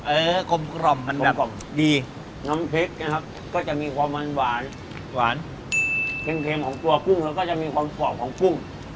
เออกลมกล่อมมันกลมกล่อมดีน้ำพริกนะครับก็จะมีความมันหวานหวานเค็มของตัวกุ้งแล้วก็จะมีความกรอบของกุ้ง